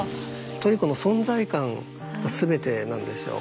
トリコの存在感が全てなんですよ。